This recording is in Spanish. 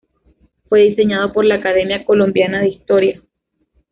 Fue diseñado por la Academia Colombiana de Historia.